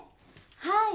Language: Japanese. はい。